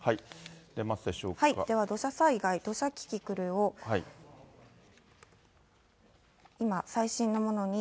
では、土砂災害、土砂キキクルを今、最新のものに。